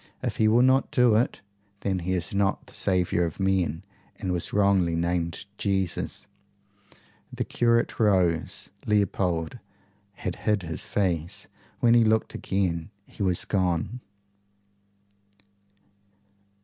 If he will not do it, then he is not the saviour of men, and was wrongly named Jesus." The curate rose. Leopold had hid his face. When he looked again he was gone.